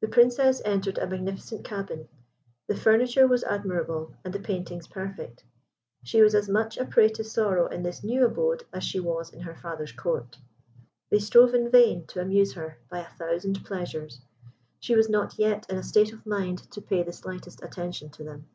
The Princess entered a magnificent cabin. The furniture was admirable, and the paintings perfect. She was as much a prey to sorrow in this new abode as she was in her father's Court. They strove in vain to amuse her by a thousand pleasures; she was not yet in a state of mind to pay the slightest attention to them.